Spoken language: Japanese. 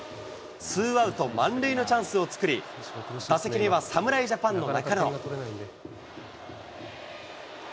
ツーアウト満塁のチャンスを作り、打席には侍ジャパンの中野。